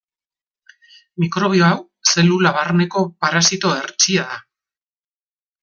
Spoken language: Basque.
Mikrobio hau zelula barneko parasito hertsia da.